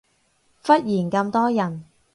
忽然咁多人